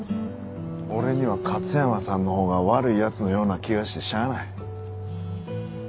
俺には勝山さんのほうが悪い奴のような気がしてしゃあない。